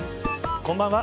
こんばんは。